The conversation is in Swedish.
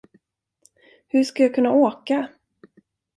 Hur ska jag kunna åka?